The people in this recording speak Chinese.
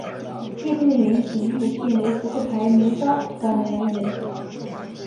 叶片的圆形裂片为扑克牌梅花图案的来源。